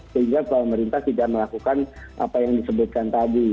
sehingga pemerintah tidak melakukan apa yang disebutkan tadi